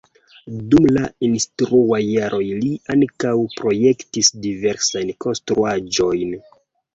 Dum la instruaj jaroj li ankaŭ projektis diversajn konstruaĵojn.